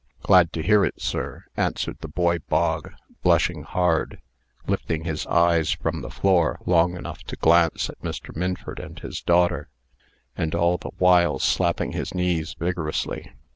"Glad to hear it, sir," answered the boy Bog, blushing hard, lifting his eyes from the floor long enough to glance at Mr. Minford and his daughter, and all the while slapping his knees vigorously.